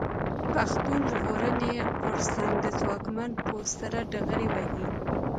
پښتون ژغورني غورځنګ د ځواکمن پوځ سره ډغرې وهي.